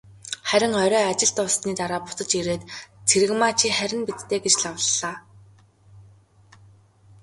Харин орой ажил дууссаны дараа буцаж ирээд, "Цэрэгмаа чи харина биз дээ" гэж лавлалаа.